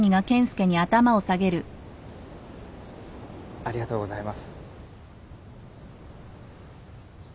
ありがとうございます。